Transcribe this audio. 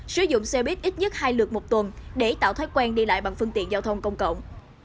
sử dụng xe buýt ít nhất hai lượt một tuần để tạo thói quen đi lại bằng phương tiện giao thông công cộng